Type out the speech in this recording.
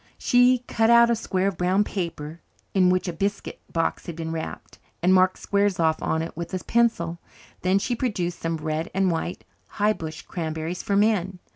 She cut out a square of brown paper, in which a biscuit box had been wrapped, and marked squares off on it with a pencil. Then she produced some red and white high bush cranberries for men.